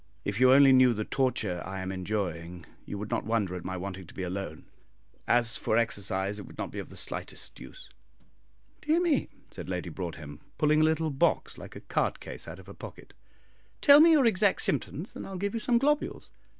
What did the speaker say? If you only knew the torture I am enduring, you would not wonder at my wanting to be alone. As for exercise, it would not be of the slightest use." "Dear me," said Lady Broadhem, pulling a little box like a card case out of her pocket, "tell me your exact symptoms, and I'll give you some globules."